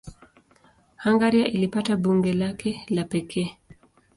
Hungaria ilipata bunge lake la pekee.